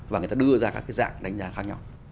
và người ta đưa ra các cái dạng đánh giá khác nhau